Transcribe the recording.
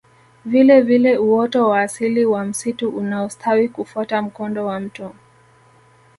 Vile vile uoto wa asili wa msitu unaostawi kufuata mkondo wa mto